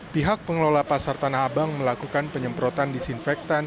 pihak pengelola pasar tanah abang melakukan penyemprotan disinfektan